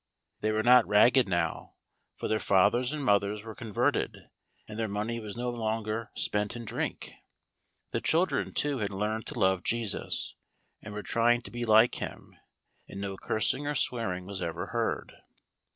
They were not ragged now, for their fathers and mothers were converted, and their money was no longer spent in drink. The children, too, had learnt to love Jesus, and were trying to be like Him, and no cursing or swearing was ever heard.